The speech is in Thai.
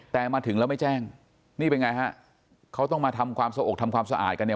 แต่มาถึงแล้วไม่แจ้งนี่เป็นไงฮะเขาต้องมาทำความสะอกทำความสะอาดกันเนี่ย